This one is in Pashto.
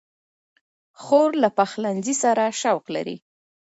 خور له پخلنځي سره شوق لري.